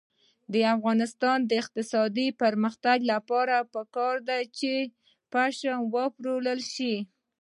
د افغانستان د اقتصادي پرمختګ لپاره پکار ده چې پشم وپلورل شي.